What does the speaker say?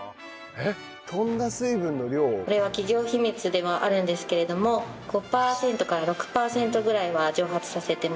これは企業秘密ではあるんですけれども５パーセントから６パーセントぐらいは蒸発させてます。